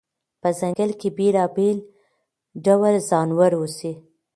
په ځنګل کې بېلابېل ډول ځناور اوسي.